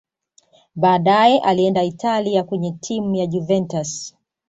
baadaye alienda italia kwenye timu ya juventus